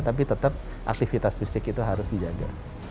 tapi tetap aktivitas fisik itu harus dijaga